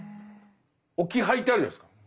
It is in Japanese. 置き配ってあるじゃないですか。